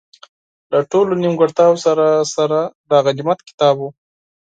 له ټولو نیمګړتیاوو سره سره، دا غنیمت کتاب وو.